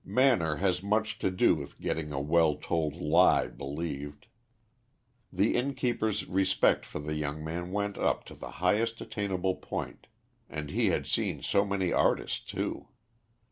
Manner has much to do with getting a well told lie believed. The inn keeper's respect for the young man went up to the highest attainable point, and he had seen so many artists, too.